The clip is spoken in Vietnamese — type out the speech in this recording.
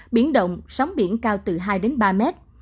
biển động sóng biển cao từ hai đến ba mét